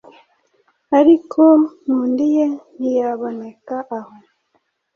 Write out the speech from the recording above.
ariko Nkundiye ntiyaboneka aho